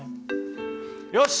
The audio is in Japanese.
よし！